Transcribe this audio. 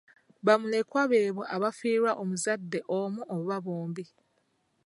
Bamulekwa beebo abaafiirwa omuzadde omu oba bombi.